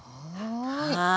はい。